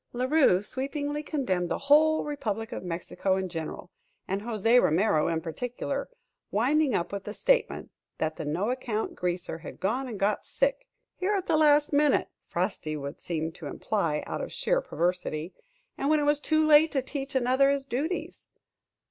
La Rue sweepingly condemned the whole republic of Mexico in general, and José Romero in particular, winding up with the statement that the no account greaser had gone and got sick, here at the last minute Frosty would seem to imply, out of sheer perversity and when it was too late to teach another his duties.